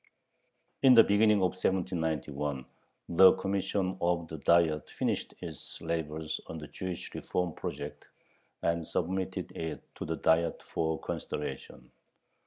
In the beginning of 1791 the Commission of the Diet finished its labors on the Jewish reform project, and submitted it to the Diet for consideration.